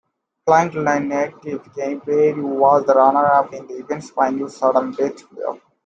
Franklin native Kenny Perry was the runner-up in the event's final sudden-death playoff.